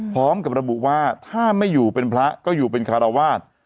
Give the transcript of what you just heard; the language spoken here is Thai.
พร้อมกับระบุว่าถ้าไม่อยู่เป็นพระก็อยู่เป็นคารวาส